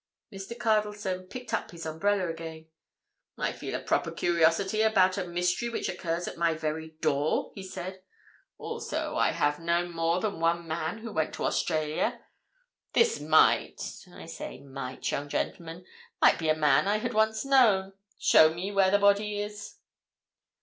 Mr. Cardlestone picked up his umbrella again. "I feel a proper curiosity about a mystery which occurs at my very door," he said. "Also, I have known more than one man who went to Australia. This might—I say might, young gentlemen—might be a man I had once known. Show me where this body is."